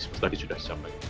seperti tadi sudah sampai